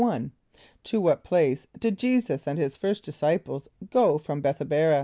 = To what place did J[=e]´[s+]us and his first disciples go from B[)e]th=[)a]b´a r[.